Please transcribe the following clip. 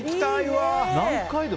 何回でも？